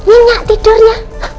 ini yang tidurnya